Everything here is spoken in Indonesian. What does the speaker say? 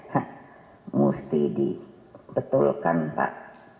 ha mesti dibetulkan pak